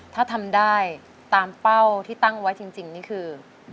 ถ้าทำได้ตามเป้าที่ตั้งไว้จริงนี่คือ